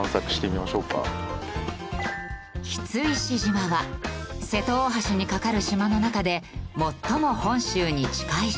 櫃石島は瀬戸大橋に架かる島の中で最も本州に近い島。